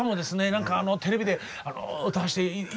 何かあのテレビで歌わして頂いたり。